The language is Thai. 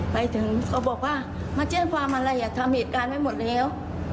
ไปถึงเขาบอกว่ามาแจ้งความอะไรทำเหตุการณ์ไว้หมดแล้ว